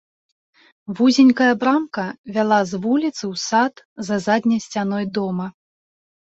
Вузенькая брамка вяла з вуліцы ў сад за задняй сцяной дома.